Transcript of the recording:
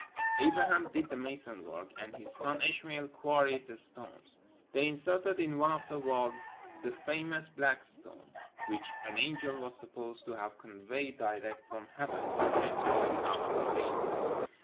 Abraham did the mason work, and his son Ishmael quarried the stones. They inserted in one of the walls the famous "black stone," which an angel was supposed to have conveyed direct from heaven to sanctify the house of the Deity.